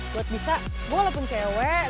buat bisa walaupun cewek